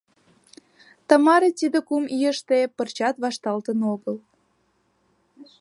Тамара тиде кум ийыште пырчат вашталтын огыл.